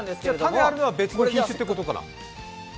種あるのは別の品種ってことかな？